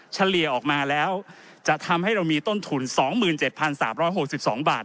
เฉลี่ยออกมาแล้วจะทำให้เรามีต้นทุน๒๗๓๖๒บาท